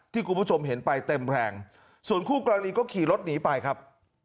คุณผู้ชมเห็นไปเต็มแรงส่วนคู่กรณีก็ขี่รถหนีไปครับ